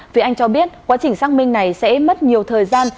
phía anh cho biết quá trình xác minh này sẽ mất nhiều thời gian